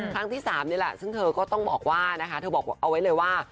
ครั้งที่๓นี่แหละซึ่งเธอก็ต้องบอกว่านะคะเธอบอกเอาไว้เลยว่า